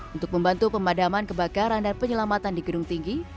untuk membantu pemadaman kebakaran dan penyelamatan di gedung tinggi